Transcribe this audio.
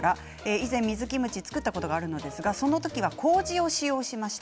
以前、水キムチを造ったことがあるんですがその時は、こうじを使用しました。